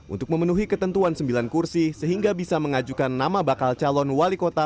untuk memenuhi ketentuan sembilan kursi sehingga bisa mengajukan nama bakal calon wali kota